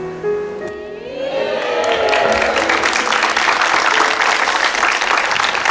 เย็น